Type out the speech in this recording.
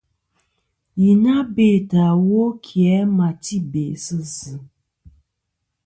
Yi na bêtɨ iwo kì a ma ti be sɨ zɨ.